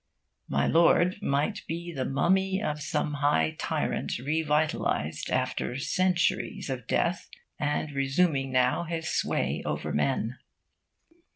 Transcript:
My Lord might be the mummy of some high tyrant revitalised after centuries of death and resuming now his sway over men.